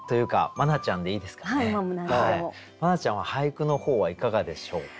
茉奈ちゃんは俳句の方はいかがでしょうか？